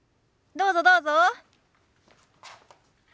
どうぞどうぞ。